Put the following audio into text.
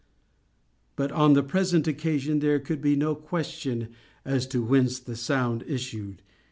But, on the present occasion, there could be no question as to whence the sound issued.